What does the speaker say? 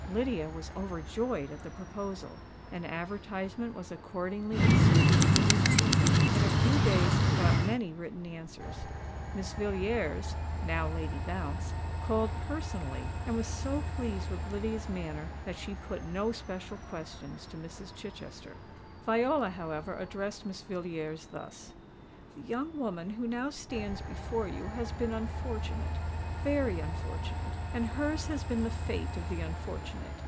Lydia was overjoyed at the proposal. An advertisement was accordingly inserted in a newspaper; and a few days brought many written answers. Miss Villiers—now Lady Bounce—called personally, and was so pleased with Lydia's manner that she put no special questions to Mrs. Chichester. Viola, however, addressed Miss Villiers thus:—"The young woman who now stands before you has been unfortunate—very unfortunate; and hers has been the fate of the unfortunate.